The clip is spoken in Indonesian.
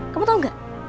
kamu tahu gak